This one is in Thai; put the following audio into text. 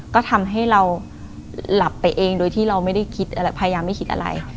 ก็ทำให้เรารับไปเองโดยที่เราพยายามไม่คิดอะไร